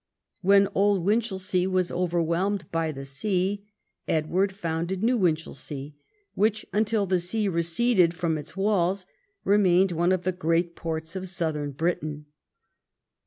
When Old Winchelsea was overwhelmed by the sea, Edward founded New Winchelsea, which, until the sea receded from its walls, remained one of the great ports of Southern Britain.